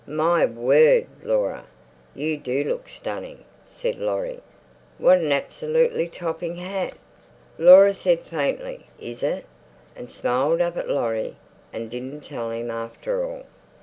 "My word, Laura! You do look stunning," said Laurie. "What an absolutely topping hat!" Laura said faintly "Is it?" and smiled up at Laurie, and didn't tell him after all.